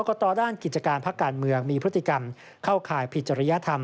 กตด้านกิจการพักการเมืองมีพฤติกรรมเข้าข่ายผิดจริยธรรม